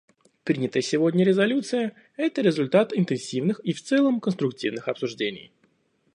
Принятая сегодня резолюция — это результат интенсивных и в целом конструктивных обсуждений.